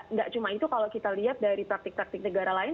nggak cuma itu kalau kita lihat dari praktik praktik negara lain